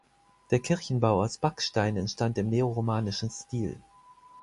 Der Kirchenbau aus Backstein entstand im neoromanischen Stil.